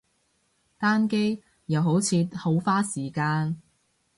單機，又好似好花時間